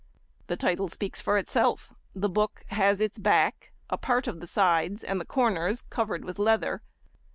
_—The title speaks for itself, the book has its back, a part of the sides, and the corners covered with leather.